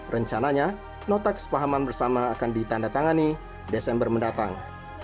rencananya nota kesepahaman bersama akan ditanda tangani desember mendatang